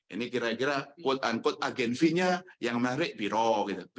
ini kira kira quote unquote agen v nya yang menarik biro gitu